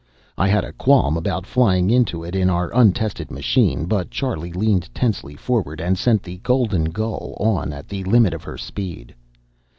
I had a qualm about flying into it in our untested machine. But Charlie leaned tensely forward and sent the Golden Gull on at the limit of her speed.